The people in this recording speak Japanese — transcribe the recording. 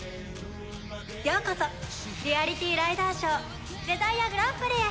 ようこそリアリティーライダーショーデザイアグランプリへ！